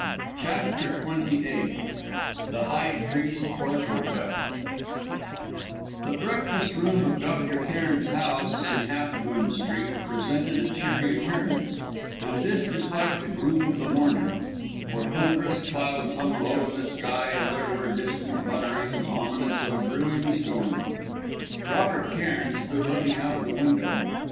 CHAPTER XXVIII THE HIGH PRIEST, HORTOTEF The breakfast room of Dr. Cairn's house in Half Moon Street presented a cheery appearance, and this despite the gloom of the morning; for thunderous clouds hung low in the sky, and there were distant mutterings ominous of a brewing storm. Robert Cairn stood looking out of the window.